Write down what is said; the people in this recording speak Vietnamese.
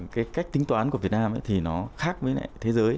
cái cách tính toán của việt nam thì nó khác với lại thế giới